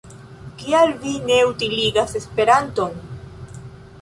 Kial vi ne utiligas Esperanton?